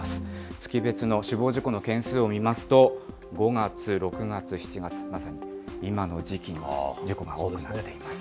月別の死亡事故の件数を見ますと、５月、６月、７月、まさに今の時期の事故が多くなっています。